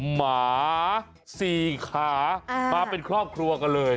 หมา๔ขามาเป็นครอบครัวกันเลย